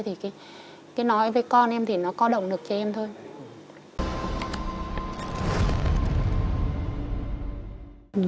thì cái nói với con em thì nó có động được cho em thôi